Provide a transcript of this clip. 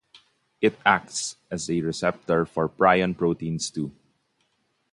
It acts as a receptor for prion proteins too.